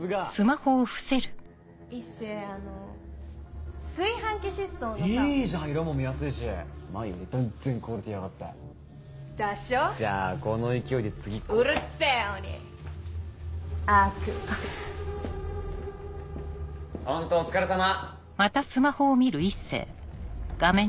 ホントお疲れさま！